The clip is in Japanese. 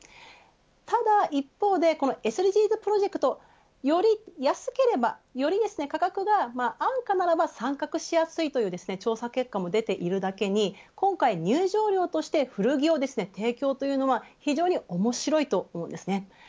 ただ一方でＳＤＧｓプロジェクトより安ければ価格がより安価ならば参加しやすいという調査結果も出ているだけに今回入場料として古着を提供としているのは非常に面白いです。